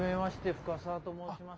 深沢と申します。